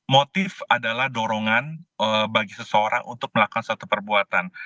motif adalah dorongan bagi seseorang untuk melakukan suatu perbuatan